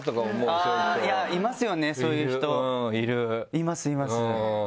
いますいます。